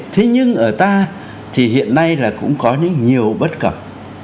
thế nhưng ở ta thì hiện nay là cũng có những nhiều bất cập